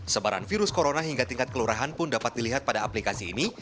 sebaran virus corona hingga tingkat kelurahan pun dapat dilihat pada aplikasi ini